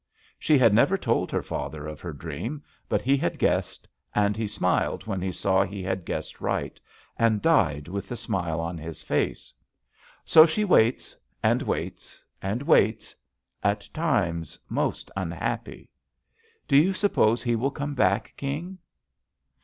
She had never told her father of her dream, but he had guessed, and he smiled when he saw he had guessed right, and died with the smile on his face. So she waits, and waits, and waits, at times most unhappy. Do you suppose he will come back. King?"